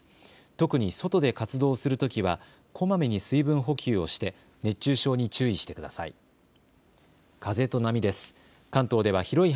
特に外で活動するときはこまめに水分補給をして熱中症に注意してください。